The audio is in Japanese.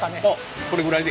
これぐらいでいい？